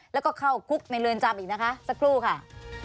แล้วก็เข้าคุกในเรือนจำอีกนะคะสักครู่ค่ะ